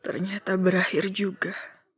ternyata berakhir juga